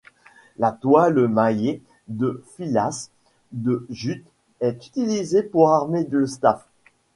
La toile maillée de filasse de jute est utilisée pour armer le staff.